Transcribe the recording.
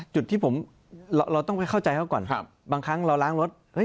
จุดที่ผมเราต้องไปเข้าใจเขาก่อนครับบางครั้งเราล้างรถ